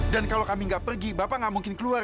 dan kalau kami gak pergi bapak gak mungkin keluar